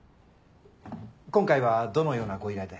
今回はどのようなご依頼で？